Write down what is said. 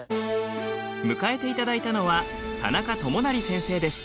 迎えていただいたのは田中友也先生です。